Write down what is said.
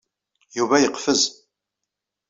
Yuba yeqfez.